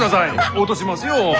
落としますよ。